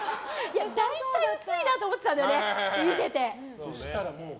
大体薄いなと思ってたんだよね、見てて。